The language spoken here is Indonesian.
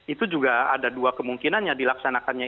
itu juga ada dua kemungkinan yang dilaksanakannya